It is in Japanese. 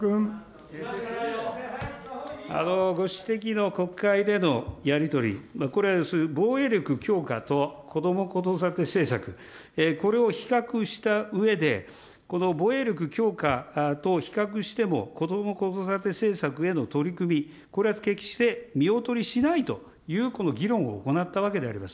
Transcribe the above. ご指摘の国会でのやり取り、これ、防衛力強化とこども・子育て政策、これを比較したうえで、この防衛力強化と比較しても、こども・子育て政策への取り組み、これは決して見劣りしないという議論を行ったわけであります。